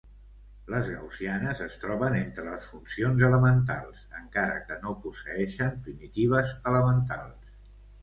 Les gaussianes es troben entre les funcions elementals, encara que no posseïxen primitives elementals.